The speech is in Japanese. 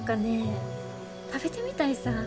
食べてみたいさ。